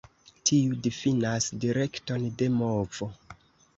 Tiu difinas direkton de movo.